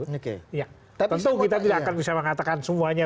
tentu kita tidak akan bisa mengatakan semuanya